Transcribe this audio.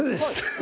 え？